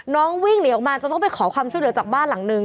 วิ่งหนีออกมาจนต้องไปขอความช่วยเหลือจากบ้านหลังนึง